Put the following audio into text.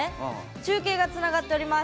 中継がつながっております。